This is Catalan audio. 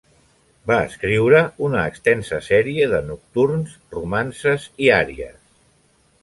Va escriure una extensa sèrie de nocturns, romances i àries.